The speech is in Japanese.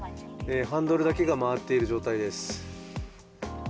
ハンドルだけが回っている状態です。